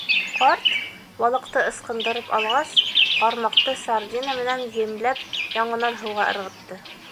Ҡарт, балыҡты ысҡындырып алғас, ҡармаҡты сардина менән емләп яңынан һыуға ырғытты.